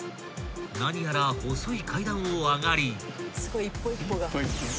何やら細い階段を上がり］